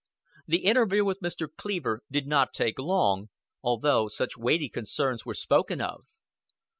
The interview with Mr. Cleaver did not take long, although such weighty concerns were spoken of.